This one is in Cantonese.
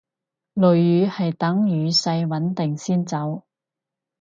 暴雨係等雨勢穩定先走